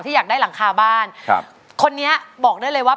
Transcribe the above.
อยากได้หลังคาบ้านครับคนนี้บอกได้เลยว่า